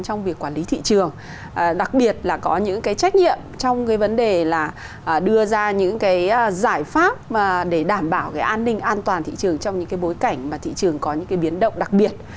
trong việc quản lý thị trường đặc biệt là có những cái trách nhiệm trong cái vấn đề là đưa ra những cái giải pháp để đảm bảo cái an ninh an toàn thị trường trong những cái bối cảnh mà thị trường có những cái biến động đặc biệt